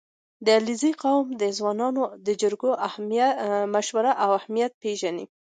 • د علیزي قوم ځوانان د جرګو او مشورو اهمیت پېژني.